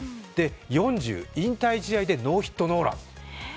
４０歳、引退試合でノーヒットノーラン。